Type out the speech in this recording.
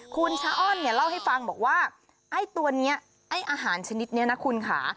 คุณชะอ้อนเนี่ยเล่าให้ฟังบอกว่าไอ้ตัวนี้ไอ้อาหารชนิดนี้นะคุณค่ะ